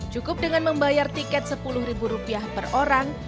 cukup dengan membayar tiket sepuluh ribu rupiah per orang